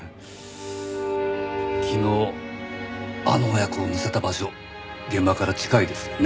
昨日あの親子を乗せた場所現場から近いですよね。